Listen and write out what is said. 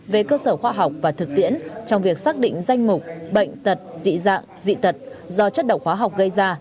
về cơ sở khoa học và thực tiễn trong việc xác định danh mục bệnh tật dị dạng dị tật do chất độc hóa học gây ra